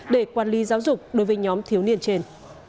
để quản lý giáo dục đối với nhóm thiếu niên trên